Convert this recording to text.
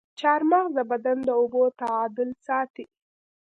چارمغز د بدن د اوبو تعادل ساتي.